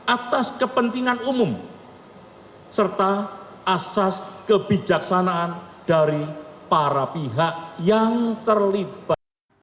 atas kepentingan umum serta asas kebijaksanaan dari para pihak yang terlibat